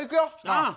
ああ！